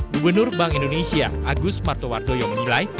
gubernur bank indonesia agus martowardoyo menilai